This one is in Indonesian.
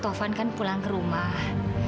tuhan akan pulang ke rumah